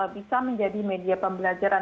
bisa menjadi media pembelajaran